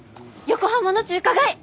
横浜の中華街！